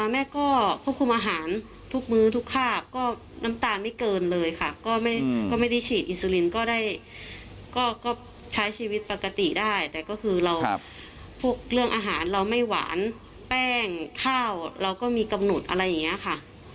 แม่ก็ควบคุมอาหารทุกมื้อทุกคาบก็น้ำตาลไม่เกินเลยค่ะก็ไม่ได้ฉีดอิสุรินก็ได้ก็ใช้ชีวิตปกติได้แต่ก็คือเราพวกเรื่องอาหารเราไม่หวานแป้งข้าวเราก็มีกำหนดอะไรอย่างนี้ค่ะ